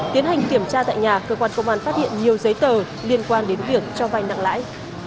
tiến hành kiểm tra tại nhà cơ quan công an phát hiện nhiều giấy tờ liên quan đến việc cho vai nặng lãi